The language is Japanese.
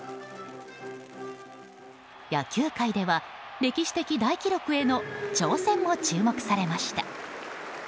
野球界では歴史的大記録への挑戦も注目されました。